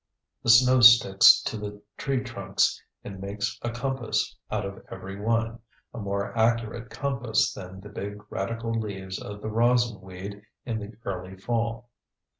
The snow sticks to the tree trunks and makes a compass out of every one, a more accurate compass than the big radical leaves of the rosin weed in the early fall.